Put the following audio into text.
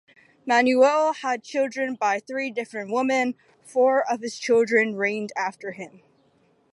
Manuel had children by three different women; four of his children reigned after him.